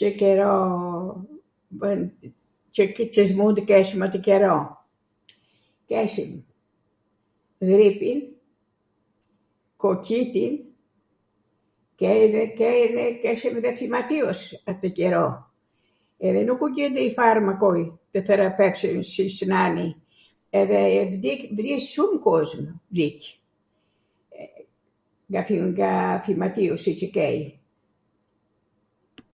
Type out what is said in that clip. Cw qero bwn..., Cw smundje keshwm atw qero? Keshwm ghripin, koqitin, kejnw, kejnw, keshwm dhe fimatiosi atw qero. Edhe nuku gjwndej farmakoi tw therapevsej siCw nani, dhe vdiqwn tw ri shumw kozm vdiq, nga fimatiosi qw kej.